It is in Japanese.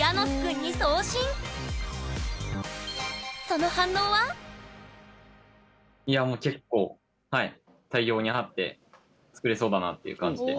そのいやもう結構はい大量にあって作れそうだなっていう感じで。